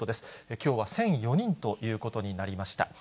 きょうは１００４人ということになりました。